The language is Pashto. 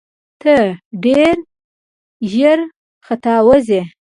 ته ډېر ژر ختاوزې !